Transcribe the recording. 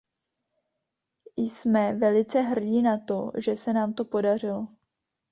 Jsme velice hrdí na to, že se nám to podařilo.